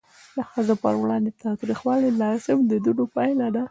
د ښځو پر وړاندې تاوتریخوالی د ناسم دودونو پایله ده.